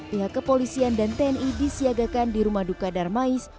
pihak kepolisian dan tni disiagakan di rumah duka darmais